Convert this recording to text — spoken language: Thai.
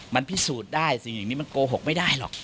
มันพิสูจน์ได้สิ่งอย่างนี้มันโกหกไม่ได้หรอก